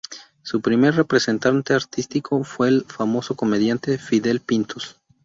Su primer representante artístico fue el famoso comediante Fidel Pintos.